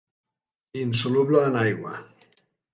Insoluble en aigua.